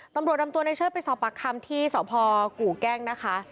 ตำรวจนำตัวในเชิดไปสอบปากคำที่สพกู่แกล้งนะคะ